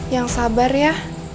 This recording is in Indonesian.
yang sabar ya